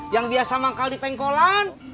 yang biasa manggal di pengkolan